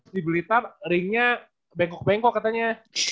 di blitar ringnya bengkok bengkok katanya